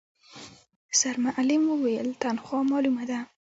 سرمعلم وويل، تنخوا مالومه ده.